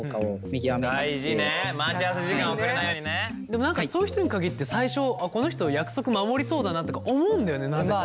でも何かそういう人に限って最初この人約束守りそうだなとか思うんだよねなぜか。